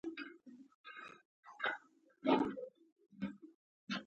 پېچلي شیان یې تولیدولی او کارولی شول.